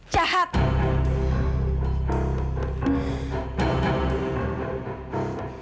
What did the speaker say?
kitaicism jahat kak